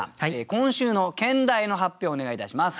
今週の兼題の発表をお願いいたします。